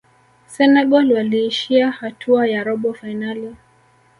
senegal waliishia hatua ya robo fainali